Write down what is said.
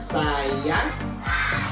saya akan melarang